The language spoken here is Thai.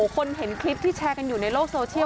คนเห็นคลิปที่แชร์กันอยู่ในโลกโซเชียล